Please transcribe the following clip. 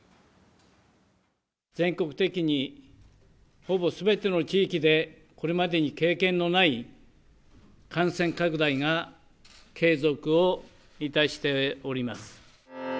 全国的にほぼすべての地域でこれまでに経験のない感染拡大が継続をいたしております。